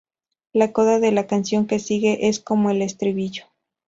La coda de la canción que sigue es como el estribillo.